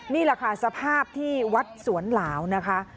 นี่แหละค่ะสภาพที่วัดสวนหลาวนะคะ